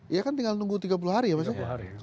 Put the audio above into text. iya kan tinggal tunggu tiga puluh hari ya pak